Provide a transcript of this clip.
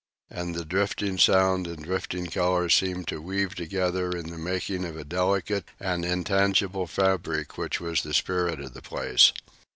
And the drifting sound and drifting color seemed to weave together in the making of a delicate and intangible fabric which was the spirit of the place.